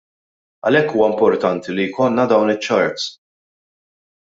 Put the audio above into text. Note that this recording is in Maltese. Għalhekk huwa importanti li jkollna dawn iċ-charts.